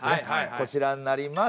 こちらになります。